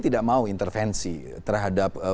tidak mau intervensi terhadap